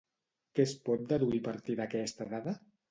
Què es pot deduir a partir d'aquesta dada?